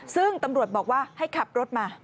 ซึ่งตำรวจบอกว่าให้ขับรถมา